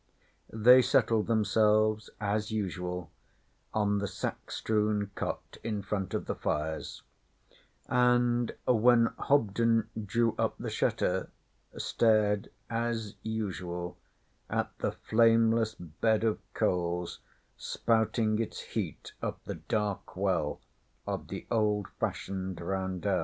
They settled themselves, as usual, on the sack strewn cot in front of the fires, and, when Hobden drew up the shutter, stared, as usual, at the flameless bed of coals spouting its heat up the dark well of the old fashioned roundel.